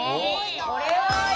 これはいい！